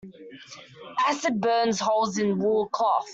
Acid burns holes in wool cloth.